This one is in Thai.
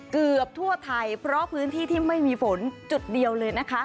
เกือบทั่วไทยเพราะพื้นที่ที่ไม่มีฝนจุดเดียวเลยนะคะ